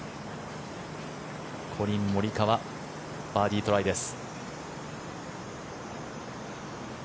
コリン・モリカワバーディートライです。